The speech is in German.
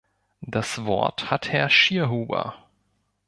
Das Wort hat Herr Schierhuber.